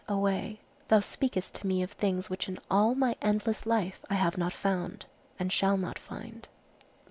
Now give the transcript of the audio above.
away! thou speakest to me of things which in all my endless life I have not found, and shall not find."